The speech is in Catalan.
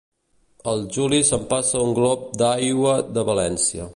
El Juli s'empassa un glop d'auia de València.